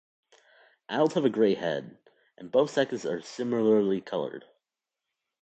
Adults have a grey head, and both sexes are similarly coloured.